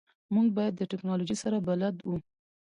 موږ باید د تکنالوژی سره بلد وو